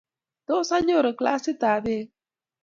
Tos, anyoru glasitab beek?